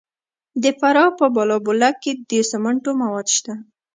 د فراه په بالابلوک کې د سمنټو مواد شته.